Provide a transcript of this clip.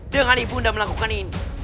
dengan ibunda melakukan ini